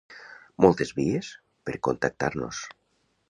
Moltes vies per contactar-nos.